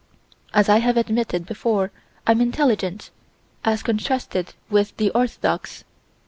As I have admitted before I'm intelligent, as contrasted with the orthodox.